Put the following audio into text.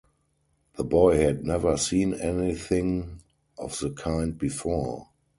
The boy had never seen anything of the kind before.